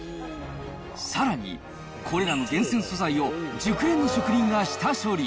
さらに、これらの厳選素材を熟練の職人が下処理。